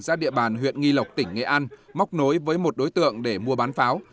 ra địa bàn huyện nghi lộc tỉnh nghệ an móc nối với một đối tượng để mua bán pháo